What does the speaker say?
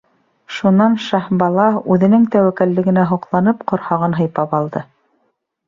Шунан Шаһбала, үҙенең тәүәккәллегенә һоҡланып, ҡорһағын һыйпап алды.